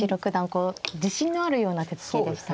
こう自信のあるような手つきでしたね。